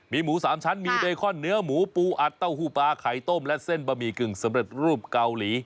มีหมู๓ชั้นมีเบคอนเนื้อหมูปูอัดเต้าหู้ปลาไข่ต้มและเส้นบะหมี่กึ่งสำเร็จรูปเกาหลี